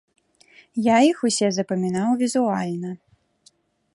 Я іх усе запамінаў візуальна.